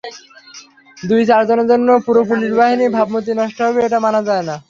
দুই-চারজনের জন্য পুরো পুলিশ বাহিনীর ভাবমূর্তি নষ্ট হবে, এটা মানা যায় না।